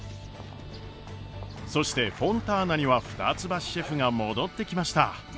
そしてフォンターナには二ツ橋シェフが戻ってきました。